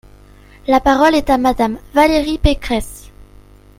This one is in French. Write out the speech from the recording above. La parole est à Madame Valérie Pécresse.